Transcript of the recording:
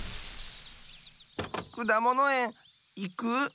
くだものえんいく？